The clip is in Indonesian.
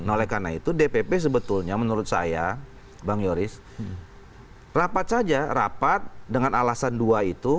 oleh karena itu dpp sebetulnya menurut saya bang yoris rapat saja rapat dengan alasan dua itu